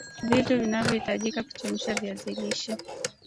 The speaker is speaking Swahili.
Vitu vinavyohitajika kuchemsha viazi lishe